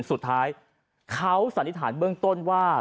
สุดท้ายเขาสันนิษฐานเบื้องต้นว่า